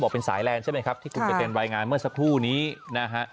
บอกเป็นสายแลนด์ใช่ไหมครับที่กูจะเตรียมวัยงานเมื่อสักทุก